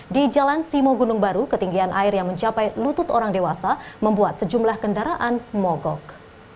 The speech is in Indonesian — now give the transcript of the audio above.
di jalan simo gunung baru ketinggian air yang mencapai lutut orang dewasa membuat sejumlah kendaraan mogok